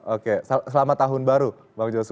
oke selamat tahun baru bang joshu